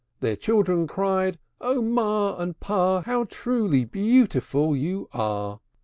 Their children cried, "O ma and pa! How truly beautiful you are!"